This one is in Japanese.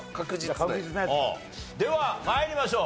では参りましょう。